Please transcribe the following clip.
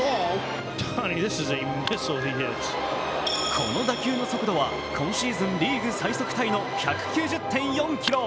この打球の速度は今シーズンリーグ最速タイの１９０．４キロ。